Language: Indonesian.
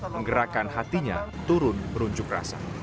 menggerakkan hatinya turun berunjuk rasa